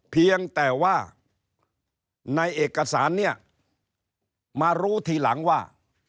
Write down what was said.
เพียงแต่ว่าในเอกสารเนี่ยมารู้ทีหลังว่า